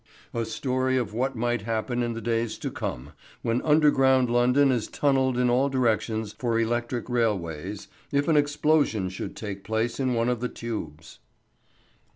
A Story of What Might Happen in the Days to Come, when Underground London is Tunnelled in all Directions for Electric Railways, if an Explosion Should Take Place in One of the Tubes.